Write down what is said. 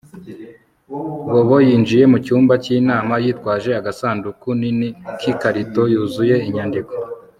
Bobo yinjiye mu cyumba cyinama yitwaje agasanduku nini kikarito yuzuye inyandiko